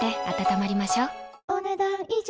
お、ねだん以上。